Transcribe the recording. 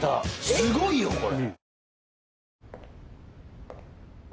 すごいよこれ。